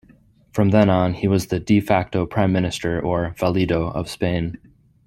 From then on he was the "de facto" prime minister or "valido" of Spain.